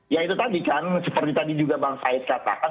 ya itu tadi kan seperti tadi juga bang said katakan